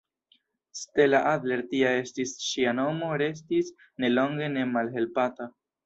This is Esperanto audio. Stella Adler tia estis ŝia nomo restis ne longe ne malhelpata.